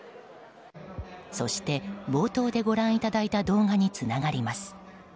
そして、冒頭でご覧いただいた動画につながります。